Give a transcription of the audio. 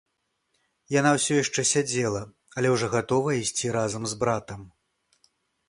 Яна ўсё яшчэ сядзела, але ўжо гатовая ісці разам з братам.